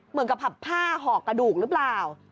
เหมือนกับผับผ้าห่อกระดูกหรือเปล่า